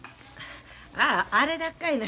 あああれだっかいな。